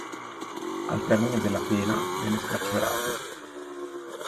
Al termine delle pena, venne scarcerato.